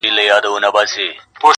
او بالاخره به د مېلې په پای کي